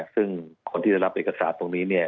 ซึ่งคนที่จะรับเอกสารตรงนี้เนี่ย